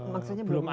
maksudnya belum ada